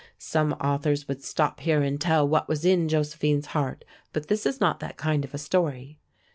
Some authors would stop here and tell what was in Josephine's heart, but this is not that kind of a story.